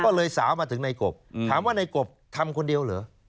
ก็เลยสาวมาถึงในกบถามว่าในกบทำคนเดียวเหรอ